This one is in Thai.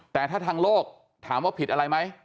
แต่ถ้าทางโลกถามว่าผิดอะไรไหม